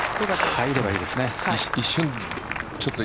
入ればいいです。